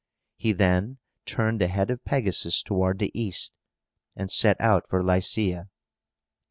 He then turned the head of Pegasus toward the east, and set out for Lycia.